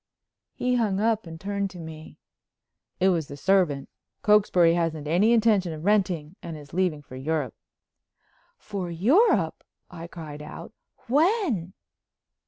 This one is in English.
He hung up and turned to me: "It was the servant. Cokesbury hasn't any intention of renting and is leaving for Europe." "For Europe!" I cried out. "When?"